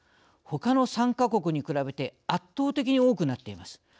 ほかの３か国に比べて圧倒的に多くなっています。